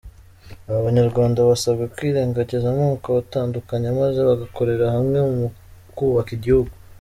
Aba banyarwanda basabwe kwirengagiza amoko abatandukanya maze bagakorera hamwe mu kubaka igihugu.